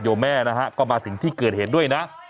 แม่นะฮะก็มาถึงที่เกิดเหตุด้วยนะ